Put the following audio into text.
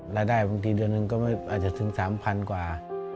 รายได้บางทีเดือนหนึ่งก็อาจจะถึง๓๐๐กว่า